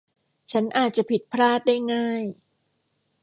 ฉันอาจจะผิดพลาดได้ง่าย